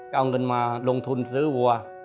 ก็เอาเงินมาลงทุนซื้อวัว